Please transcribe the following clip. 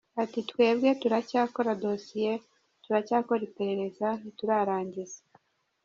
Ati “Twebwe turacyakora dosiye, turacyakora iperereza ntiturarangiza.